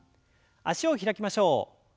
脚を開きましょう。